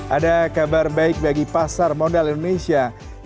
ada kabar baik bagi pasar modal indonesia